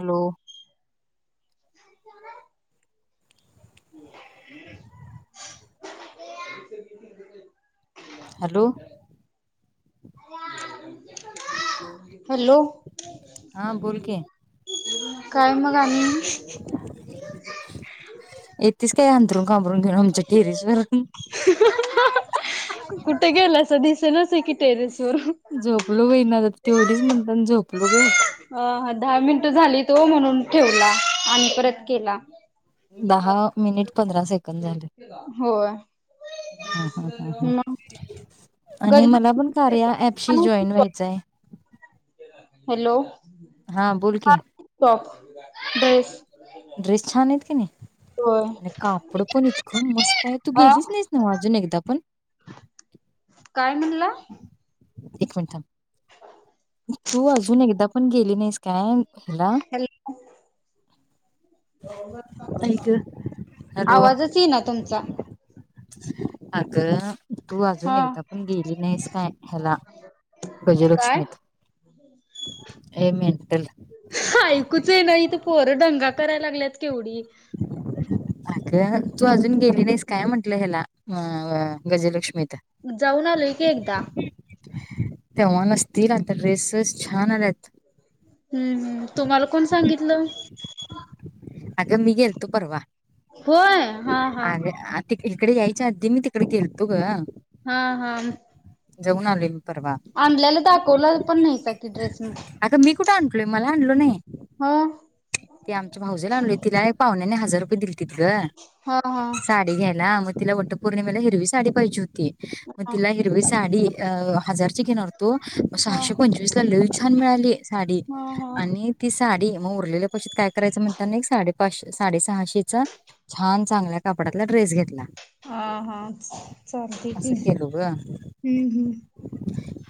Hello [unintelligible] hello hello हा बोल की काय मग आणि येतेस काय अंतरून कांबरून घेऊन आमच्या टेरिस वर कुठे गेलासा दिसेनासा कि झोपलो बई ना ठेवलीस म्हणतान झोप बघुया अ दहा मिनिटं झालीत ओ म्हणून ठेवला आणि परत केला दहा मिनिट पंधरा सेकंड झाले होय ह ह ह मग आणि गजला मला पण कार्य ॲपशी जॉईन व्हायचंय हॅलो हा बोल की टॉप ड्रेस ड्रेस छानेत कि नाही होय आणि कापडं पण इतकं मस्त आहे तू अ गेलीच नाहीस ना अजून एकदा पण काय म्हणला का एक मिनिट थांब तू अजून एकदा पण गेली नाहीस काय हिला हॅलो आई गं हॅलो आवाजच येईना तुमचा अगं तू अजून हा एकदा पण गे लीस काय हेला काय ए मेंटल ऐकूच येइना इथं पोर दंगा कराय लागल्यात केवढी [unintelligible] तू अजून गेली नाहीस काय म्हटलं हेला हा होय गजलक्ष्मी जाऊन आलोय की एकदा तेव्हा नसतील आता ड्रेसेस छान आल्यात हम्म हम्म तुम्हाला कोण सांगितलं आग मी गेलतो परवा. व्हय हा हा. च्या आधी मी तिकड गेलतो ग. हा हा. जाऊन आले मी. परवा आणल्याल दाखवला पण नाहीसा की ड्रेस म. कुठ आणलोय मला आणलो नाही? म ते आमच्या भावजला आणलोय तिला एक पाहुण्यानी हजार रुपय दिल. तीत गं ह हा हा साडी घ्याय. ला म तिला वट्टपौर्णिमेला हिरवी साडी पाहिजे हो ती म ह तीला हरवी सा साडी अ. हजारची घेणार व्हतो म ह सहाशे पंचवीसला लई छा छान मिळाली. साडी ह आणि तीस साडी म उरलेल. पैशात काय करायचं म्हणतान एक साडे पाचशे, साडे सहाशे तेचा छान चांगल्या कापडातला ड्रेस घेतला. हा हा हा चालते अस की केलो ग हम्म हम्म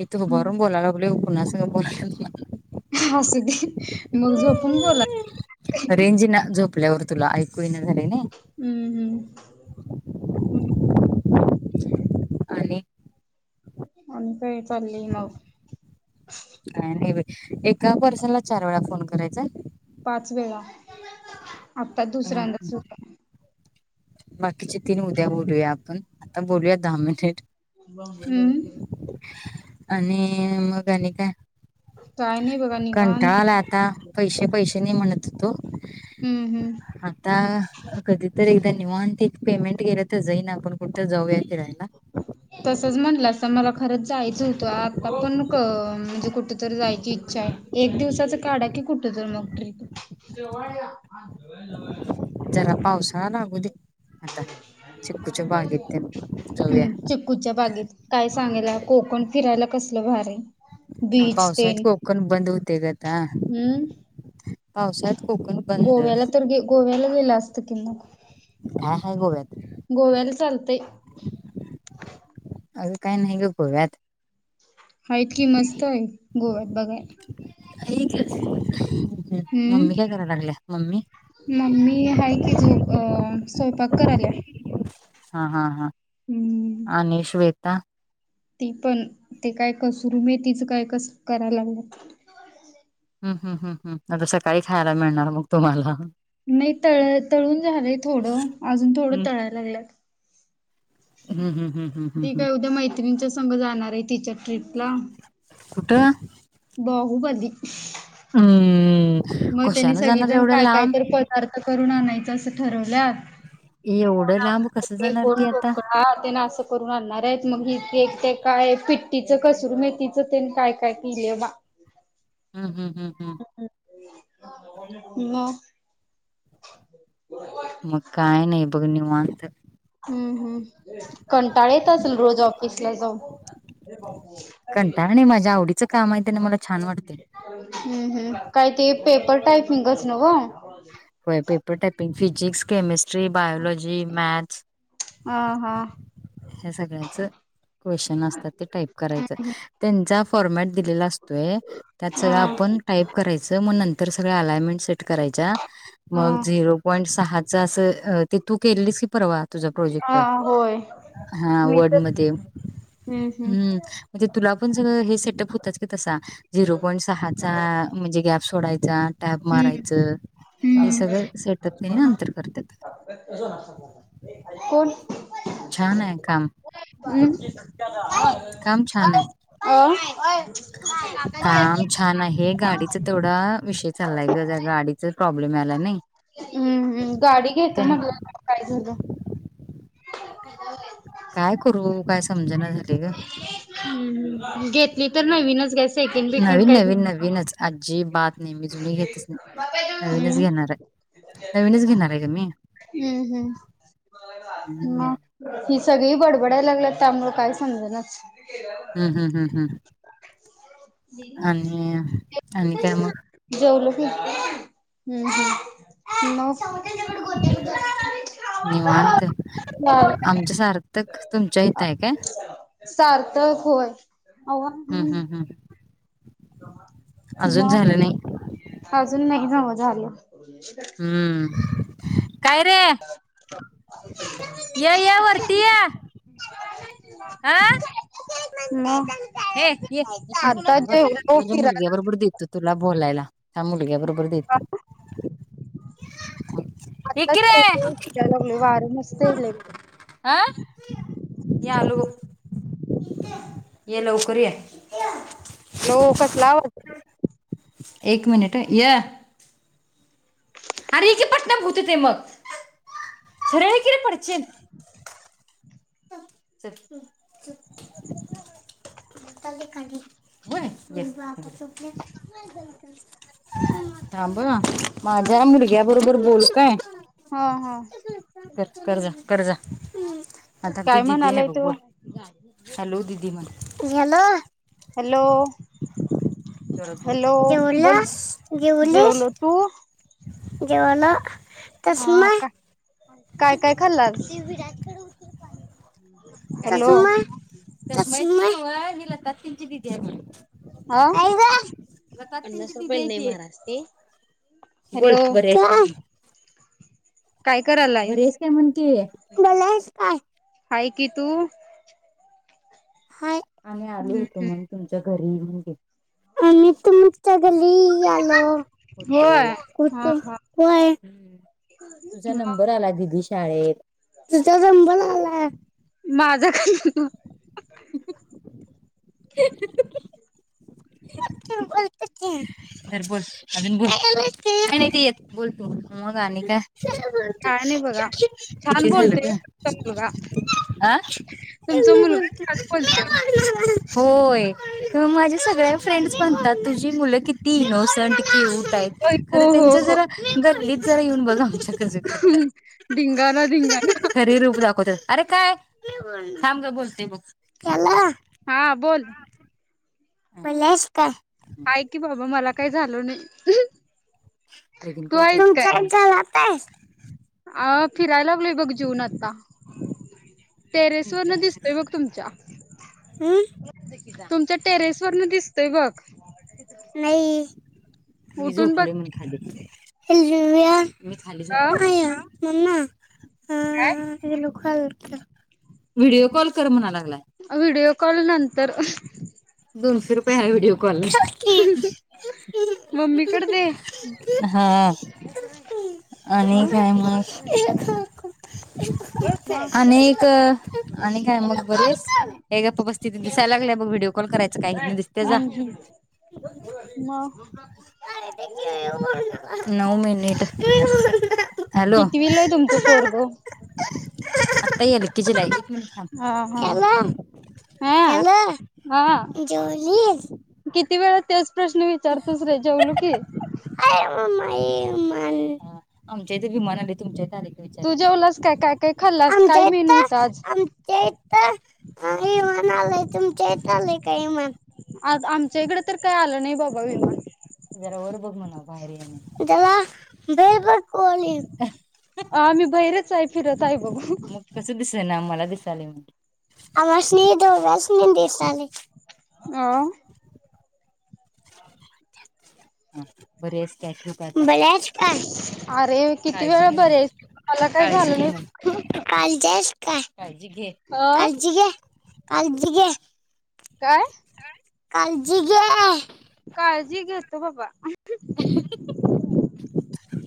इथ हुबारून बोलाय लागलोय कोणासंग बोलाल्यास म्हण असू दे मग झोपून बोला. ना झोपल्यावर तुला ऐकू येणात. हम्म हम्म आणि आणि काय च? चाललय म. काय नाही बाई, एका पर्सनला चार वेळा फोन करायचा. पाच वेळा आता दुसऱ्यांदाच होता. बाकीचे तीन उद्या बोलूया आपण आता बोलूया दहा मिनिट हम्म. आणि मग आणि काय? काय नाही बघा निवांत कंटाळा आलय आता पैसे पैसे नाई म्हणून म्हणत व्हतो. हम्म हम्म आता कधीतरी एकदा निवांत एक पेमेंट केलं तर जाई ना आपण कुठं जाऊया फिरायला तसच म्हणलं अस मला खरंच जायचं होतं आता पण म्हणजे कुठ तरी? जायची इच्छा आहे एक दिवसाच [unintelligible] काढा कि कुठ तर मग ट्रीप? [inaudible] जरा पावसाळा लागूदे [unintelligible] ते जाऊया हम्म चिक्कूच्या बागेत काय सांगायला कोकण फिरायला कसलं भार आहे हो पावसात कोकण बंद होते आता हम्म [inaudible] पावसात कोकण बंद गोव्याला तर गे गोव्याला [unintelligible] हा हाय गोव्यात गोव्याला चालतय अग काही नाही ग गोव्यात आहेत की मस्त आहे गोव्यात बघायला ऐकच [inaudible] हम हम्म मम्मी काय कराय लागल्या? मम्मी मम्मी आहे की झोप अ स्वयंपाक कराल्या हा हा हा आणि श्वेता ती पण ते काय? कसूर मेथी तीच काय? कस? कराय लागल्या. हम्म हम् हम् हम आता सकाळी खायला मिळणार मग तुम्हाला नाही तळ तळून झालंय थोडं अजून थोडं तळायला लागलंत हम्म, हम्म, हम्म, हम्म, हम्म, ती हम्म. काय? उद्या मैत्रिणीच्या संग जाणार आहे टीचर ट्रीपला कुठं बाहु उबंदी [inaudible] हंम् मग त्यांनी सगळीजण काय? काय? तर पदार्थ करून आणायचं. असं ठरवल्यात कोण एवढं लांब कसं आप्पे? जाणार कोण ती आता ढोकळा? ते ना असं. करून आणणार आहेत मग ते काय पिट्टीच कसूरी मेथीच ते काय काय केली बा हम् हम् [unintelligible] [inaudible] मग काय नाही बघ निवा निवांत हम्म हम् कंटाळा येत असेल रोज ऑफिसला जाऊन कंटाळा नाही माझ्या आवडीचं काम आहे त्याने मला छान वाटते [unintelligible] हम्म हम् काय ते पेपर टायपिंगच नव्हं होय paper typing physics chemistry biology maths हा हा. ह सगळ्याच क्वेशन असतात ते टाईप करायच हम्म त्यांचा फॉरमॅट दिलेला असतो त्यात सगळ हा आपण टाइप करायचं मग नंतर सगळ अलायमेंट सेट करायचा हा मग झिरो पॉईंट सहा असं [unintelligible] ते तू केलीस की परवा तुझ प्रोजेक्ट हा होय. हा मी वर्ड तर मध्ये हम्म हम्म म्हणजे तुला पण सगळ सेटप होतच तसा झीरो पाँईंट सहा चा म्हणजे गॅप [unintelligible] टॅब हम्म मारायचं हे हम्म सगळं सेटअप मी नंतर करते काम छान आहे [unintelligible] काम छान आहे गाडीच तेवडा विषय चालाय ग गाडीचं हम्मम् गाडी घेतो त्यां म्हटलं काय झालं [unintelligible] काय करू काय समजणा झालय ग हम्म घेतली तर नवीनच सेकेंड बिकेंड नवीन काय घेऊ नवीन नका नवीनच आजी बात नाही मी जुनी घेतच नाही नवीनच घेणार आहे नवीनच घेणार आहे का मी हम्म [unintelligible] सगळी बडबडायला लागल्यात त्यामुळे काही समजनाच हम्म हम्म हम्म हम्म [inaudible] आणि आणि काय मग जेवलो हम्म हम्म मग [unintelligible] आमच चाल सार्थक तुमच्या इथं हाय काय? सार्थक होय. आव्वा! हम्म हम्म हम्म अजून झालं नाही मग अजून नाही नव झालं. [unintelligible] हम्म काय रे, य य वरती ये अं [unintelligible] हे ये एक मिनिट आता थांब ह जेवलो माझ्या मुलग्या फिरायला बरोबर देतो, तुला बोलायला. थांब मुलग्या बरोबर बर देतो ऐ आता कि रे जेवलो फिरायला लागलोय वार मस्त येलय. अं यालो ये लवकर ये. हॅलो, कसला आवाज एक मिनिट ह ये, आरे, ये की पटण भूत येतय मग. सरळ ये कि रे पडचील. चल. व्हय, थांब. माझ्या मुलग्या बरोबर बोल काय? हा हा कर कर जा, कर जा, हम्म आता ती काय दिदी हाय म्हणालाय बघ तो बोल हॅलो दिदी म्हण, हॅलो हॅलो जेवलास हॅलो बोल बोल जेवलास, जेवलीस. जेवलो जेवलो. हा हा, चष्मा का? काय, काय खाल्लास? [unintelligible] [unintelligible] काय हॅलो ग लता आत्तीची दिदी हा हाय ती बोल हॅलो बरी हायस, का? काय बरी करायलायस? आहेस काय म्हण कि, बरी आहेस काय? हाय की तू, हाय, आणि आलो हम्म होतो, हम्म मग तुमच्यात घरी येऊन गेलतो आम्ही तुम्हच्या घरी आलो होय होतो हा होतो हा व्हय तुझा मग नंबर आला दिदीश शाळेेत तुझ्या नंबर आला हा माझा ख [unintelligible] [unintelligible] बोलते धर बोल अजून बोल आणि ते येत बोलत मग आणि काय काय नाही बघा छान किती झाल बोलतोय ग तुमचा मुलगा अ दे मी बोलतो मी खुलतेय बोलणार. होय माझ्या सगळ्या फ्रेंड्स म्हणतात तुझी मुलं किती इनोसंट क्यू क्युटआहेत होय हो खर हो त्याच जरा गर्लि जरा येऊन बघा ह् धिंगाणा धिंगणा खरे रूप दाखवतात अरे काय मी बोलणार थांब जरा बोलते बघ केला हा बोल पलास काय आहे की बाबा मला काही झाल नाही लगीण तू कव्हा आहेस काय करत्यास [unintelligible] तेस अ फिरायला लागलोय बघ जेवून आता टेरेस वरन दिसतय हम् बघ तुमच्या तुमच्या टेरेस वरन दिसतय बघ नाही मी उठून बघ झोपले म्हण खाली [unintelligible] मी खाली अ झोप मम्मा [unintelligible] काय आ व्हिडिओ कॉल कर म्हणाला व्हिडिओ कॉल नंतर दोनशे रुपये आहे व्हिडीओ कॉल मम्मीकडे दे हा आणि काय मग आणि एक [unintelligible] आणि काय मग बरी आहेस? ए गप बस तिथ दिसाय लागलीया बग व्हिडिओ. कॉल करायच काय हितन दिसतय जा, हम्म हम्म मग नऊ मिनिट. हॅलो कितवीला आहे तुमच पोरग? केजीला हायत हा की हा. मन थांब हा हॅलो हा जेवलीस किती वेळ तेच प्रश्न विचारतोस रे जेवलो की. अरे मम्मा हा आमच्या इथ विमान आले तुमच्या च्या हित आलंय का तू विचार, जेवलास काय काय काय खाल्लास आमच्या काय हित मेनू होता आज? आमच्या हित हा इमान आलंय. तुमच्या इथं आलंय का विमान? आज आमच्या इकडे तर काय आलं नाही बाबा विमान. जरा वर बघ म्हणाव बाहेर येऊन, जला बाहेर बघ बाहेर वर येऊन आम्ही बाहेरच आहे, फिरत आहे बघ मग कसं दिसेना मला आम्हासनी दोघासनी दिसालय. अ ह बरी आहेस काय? ठेवू काय? बरी हायस काय? अरे किती काळजी वेळा घे म्हण, बरी आहेस मला काय काळजी झालं घे नाही. म्हण. कालजी हाईस काय? काळजी घे, अ कालजी घे. कालजी घे. काय? कालजी घे. काळजी घेतो बाबा. [unintelligible]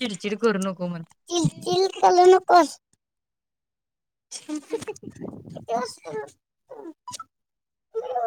चिडचिड करू नको मण. चिडचिड कलू नकोस. [unintelligible]